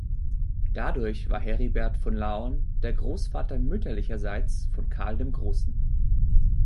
Dadurch war Heribert von Laon der Großvater mütterlicherseits von Karl dem Großen.